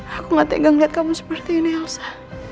aku gak tegang liat kamu seperti ini elsa